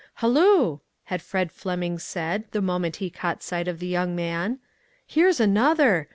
" Halloo !" had Fred Fleming said the moment he caught sight of the young man, "here's another.